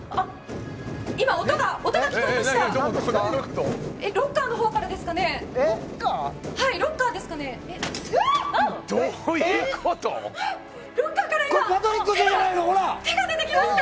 今、音が聞こえました。